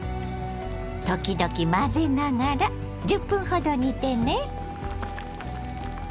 時々混ぜながら１０分ほど煮てね。